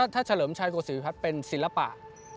ถ้าเฉลิมชัยโกศิพัฒน์เป็นศิลปะ